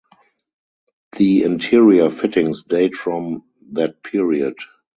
The interior fittings date from that period.